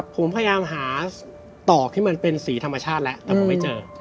ผมพยายามหาตอกที่มันเป็นสีธรรมชาติแล้วแต่ผมไม่เจอ